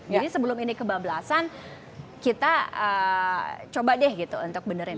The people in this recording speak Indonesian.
jadi sebelum ini kebablasan kita coba deh gitu untuk benerin